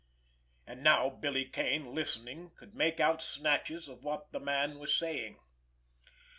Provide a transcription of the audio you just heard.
And now, Billy Kane, listening, could make out snatches of what the man was saying.